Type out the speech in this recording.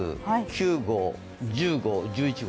９号、１０号、１１号。